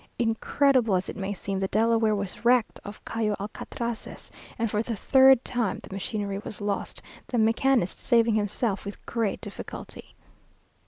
Incredible as it may seem, the Delaware was wrecked off Cayo Alcatraces, and for the third time the machinery was lost, the mechanist saving himself with great difficulty!